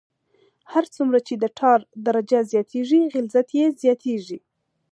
هر څومره چې د ټار درجه زیاتیږي غلظت یې زیاتیږي